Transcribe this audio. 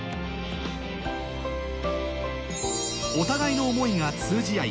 お互いの思いが通じ合い